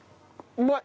うまい！